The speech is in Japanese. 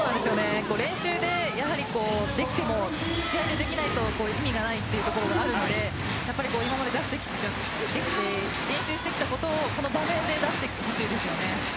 練習でできても試合でできないと意味がないというところがあるので今まで練習してきたことをこの場面で出してほしいですね。